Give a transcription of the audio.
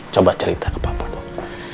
coba cerita ke bapak dong